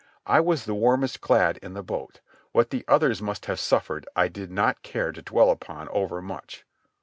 I was the warmest clad in the boat. What the others must have suffered I did not care to dwell upon over much.